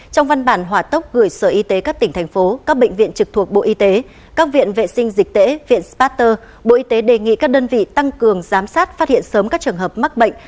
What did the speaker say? trong văn bản hỏa tốc gửi sở y tế các tỉnh thành phố các bệnh viện trực thuộc bộ y tế các viện vệ sinh dịch tễ viện spa bộ y tế đề nghị các đơn vị tăng cường giám sát phát hiện sớm các trường hợp mắc bệnh